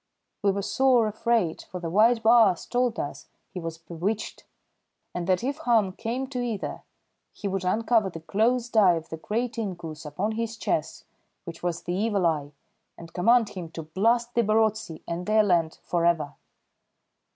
We were sore afraid, for the white baas told us he was bewitched, and that if harm came to either he would uncover the closed eye of the great inkoos upon his chest, which was the Evil Eye, and command him to blast the Barotse and their land for ever.